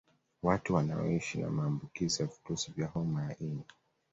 Watu wanaoishi na maambukizi ya virusi vya homa ya ini